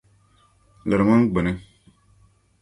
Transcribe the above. Lirimi m gbini!